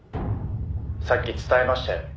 「さっき伝えましたよね」